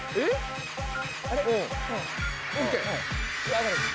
上がれ。